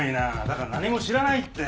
だから何も知らないって。